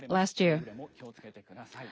くれぐれも気をつけてください。